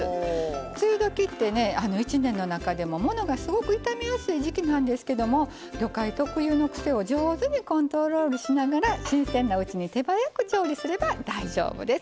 梅雨どきって、一年の中でもものがすごく傷みやすい時季なんですけど魚介特有のクセを上手にコントロールしながら新鮮なうちに手早く調理すれば大丈夫です。